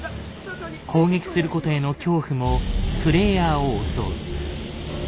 攻撃することへの恐怖もプレイヤーを襲う。